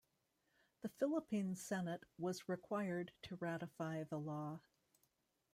The Philippine Senate was required to ratify the law.